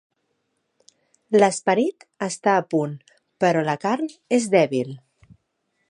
L'esperit està a punt però la carn és dèbil.